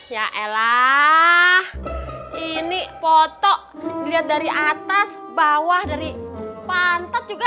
ya elah ini foto dilihat dari atas bawah dari pantat juga